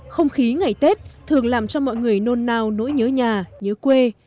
không khí ngày tết thường làm cho mọi người nôn nao nỗi nhớ nhà nhớ quê